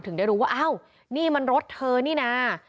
ได้รู้ว่าอ้าวนี่มันรถเธอนี่นะ